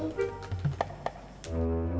ganteng atau demekang